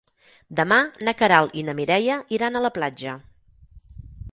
Demà na Queralt i na Mireia iran a la platja.